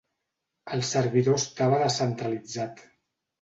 El servidor estava descentralitzat.